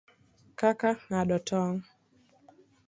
Kaka ng'ado tong',